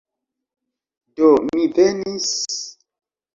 Do, mi venis...